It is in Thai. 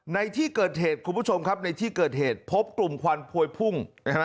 ในที่เกิดเขตครับที่เกิดเขตพบกลุ่มขวันพวยพุ่ง